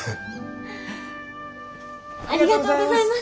ありがとうございます！